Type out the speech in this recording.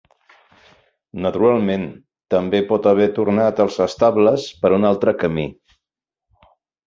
Naturalment, també pot haver tornat als estables per un altre camí.